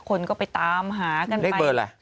คนก็ไปตามหากันไป